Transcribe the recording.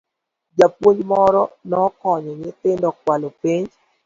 Japuonj moro nokonyo nyithindo kwalo penj